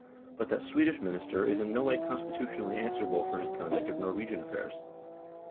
But that Swedish minister is in no way constitutionally answerable for his conduct of Norwegian affairs.